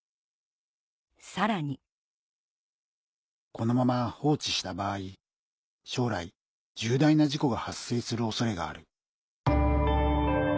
さらに「このまま放置した場合将来重大な事故が発生する恐れがある」